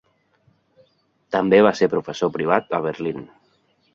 També va ser professor privat a Berlín.